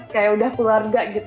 kayak udah keluarga gitu